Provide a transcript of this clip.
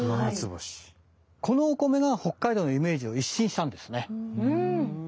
このお米が北海道のイメージを一新したんですね。